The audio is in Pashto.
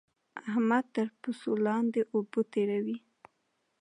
احمد تر بوسو لاندې اوبه تېروي